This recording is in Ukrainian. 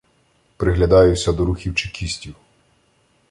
Приглядаюся до рухів чекістів.